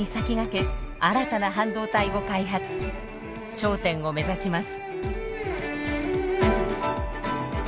頂点を目指します。